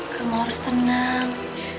kamu harus tenang